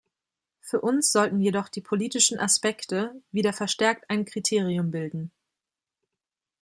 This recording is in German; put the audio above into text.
Für uns sollten jedoch die politischen Aspekte wieder verstärkt ein Kriterium bilden.